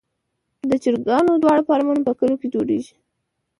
د چرګانو واړه فارمونه په کليو کې جوړیږي.